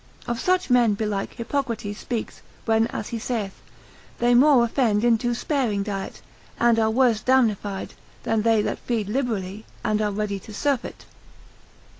Of such men belike Hippocrates speaks, l. Aphor. 5, when as he saith, they more offend in too sparing diet, and are worse damnified, than they that feed liberally, and are ready to surfeit.